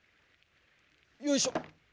よいしょ。